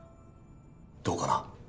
どうかな？